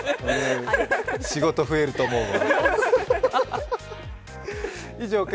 仕事増えると思うわ。